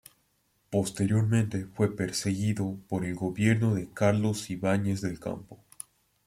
Posteriormente, fue perseguido por el gobierno de Carlos Ibáñez del Campo.